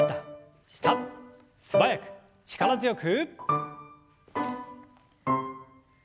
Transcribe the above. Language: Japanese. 素早く力強く。